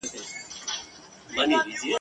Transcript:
زه د رباب زه د شهباز په ژبه نظم لیکم ..